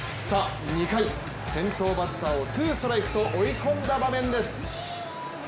２回、先頭バッターをツーストライクと追い込んだ場面です。